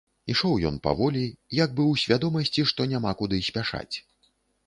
Ішоў ён паволі, як бы ў свядомасці, што няма куды спяшаць.